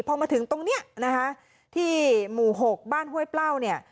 พอมาถึงตรงเนี้ยนะคะที่หมู่๖บ้านห้วยเปล้าเนี่ย